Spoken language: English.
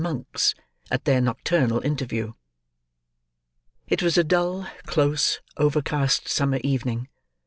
MONKS, AT THEIR NOCTURNAL INTERVIEW It was a dull, close, overcast summer evening.